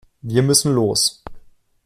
Wir müssen los.